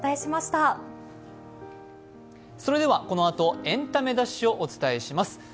それではこのあと「エンタメダッシュ」をお伝えします。